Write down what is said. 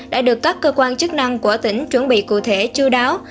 đã được các cơ quan chức năng của tỉnh chuẩn bị cụ thể chú đáo